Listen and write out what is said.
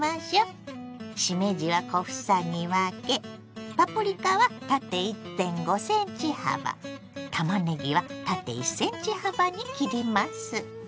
しめじは小房に分けパプリカは縦１．５ｃｍ幅たまねぎは縦１ｃｍ幅に切ります。